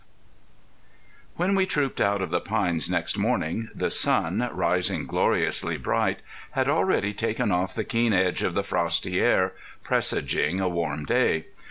XII When we trooped out of the pines next morning, the sun, rising gloriously bright, had already taken off the keen edge of the frosty air, presaging a warm day.